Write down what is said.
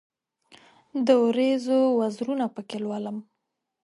د اوریځو وزرونه پکښې لولم